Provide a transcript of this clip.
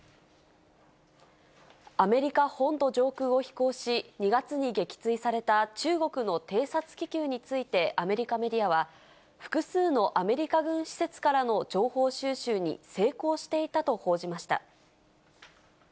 アメリカ本土上空を飛行し、２月に撃墜された中国の偵察気球についてアメリカメディアは、複数のアメリカ軍施設からの情報収集に成功していたと報じました。